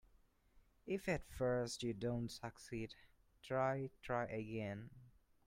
If at first you don't succeed, try, try again.